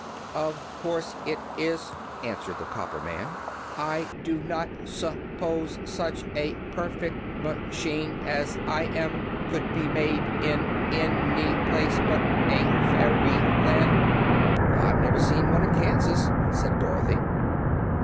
"Of course it is," answered the copper man. "I do not sup pose such a per fect ma chine as I am could be made in an y place but a fair y land." "I've never seen one in Kansas," said Dorothy.